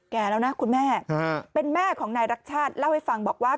แก่แล้วนะคุณแม่เป็นแม่ของนายรักชาติเล่าให้ฟังบอกว่า